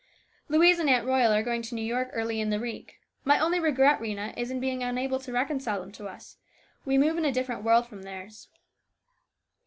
" Louise and Aunt Royal are going to New York early in the week. My only regret, Rhena, is in being unable to reconcile them to us. We move in a different world from theirs."